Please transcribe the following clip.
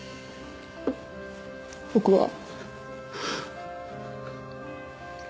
僕は。